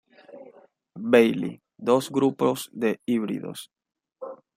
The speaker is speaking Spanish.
Bailey, dos grupos de híbridos.